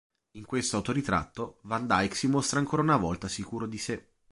In questo autoritratto van Dyck si mostra ancora una volta sicuro di sé.